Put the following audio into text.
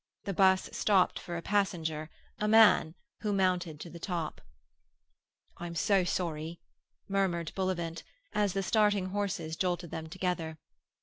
The bus stopped for a passenger, a man, who mounted to the top. "I am so sorry," murmured Bullivant, as the starting horses jolted them together.